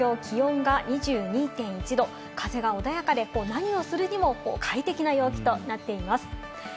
現在の東京、気温が２２．１℃、風が穏やかで何をするにも快適な陽気となっています。